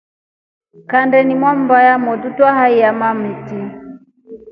Kandeni ya mbaa ya motru twayaa makith.